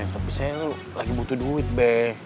tapi saya lagi butuh duit deh